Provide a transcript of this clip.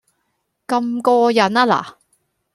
咁過癮吖嗱